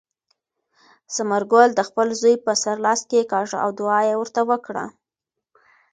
ثمرګل د خپل زوی په سر لاس کېکاږه او دعا یې ورته وکړه.